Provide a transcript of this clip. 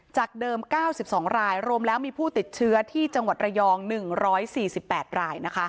จากเดิม๙๒รายรวมแล้วมีผู้ติดเชื้อที่จังหวัดระยอง๑๔๘ราย